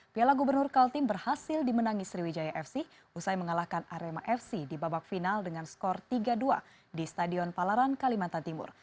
piala gubernur kaltim berhasil dimenangi sriwijaya fc usai mengalahkan arema fc di babak final dengan skor tiga dua di stadion palaran kalimantan timur